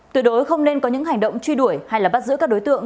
tuy đối không nên có những hành động truy đuổi hay là bắt giữ các đối tượng